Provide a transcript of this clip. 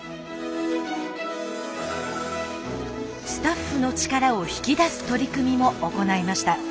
スタッフの力を引き出す取り組みも行いました。